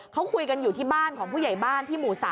เขาคุยกันอยู่ที่บ้านของผู้ใหญ่บ้านที่หมู่๓